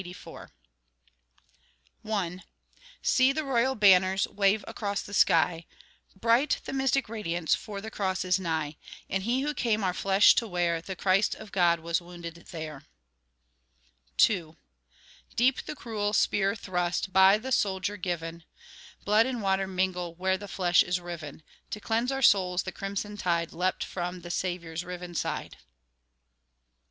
I See the Royal banners Wave across the sky, Bright the mystic radiance, For the Cross is nigh; And He who came our flesh to wear, The Christ of God, was wounded there. II Deep the cruel spear thrust, By the soldier given; Blood and water mingle, Where the flesh is riven; To cleanse our souls the crimson tide Leapt from the Saviour's riven side.